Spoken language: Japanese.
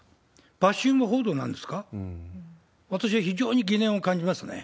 バッシング報道なんですか、私は非常に疑念を感じますね。